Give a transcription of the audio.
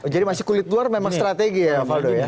jadi masih kulit luar memang strategi ya pak faldo